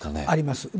あります。